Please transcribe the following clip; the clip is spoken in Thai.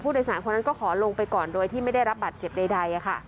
โดยสารคนนั้นก็ขอลงไปก่อนโดยที่ไม่ได้รับบัตรเจ็บใด